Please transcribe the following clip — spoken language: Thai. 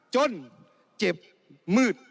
จนเจ็บมืด